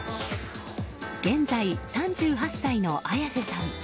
現在３８歳の綾瀬さん。